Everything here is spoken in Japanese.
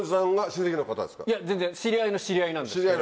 いや全然知り合いの知り合いなんですけど。